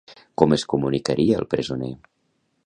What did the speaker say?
Com es comunicaria el presoner?